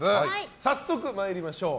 早速参りましょう。